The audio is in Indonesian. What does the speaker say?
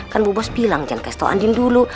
kan bu bos bilang jangan kasih tau andin dulu